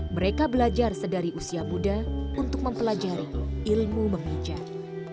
mereka belajar sedari usia muda untuk mempelajari ilmu memijat